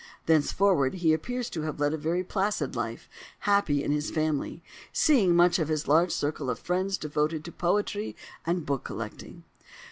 Thenceforward he appears to have led a very placid life, happy in his family, seeing much of his large circle of friends, devoted to poetry and book collecting.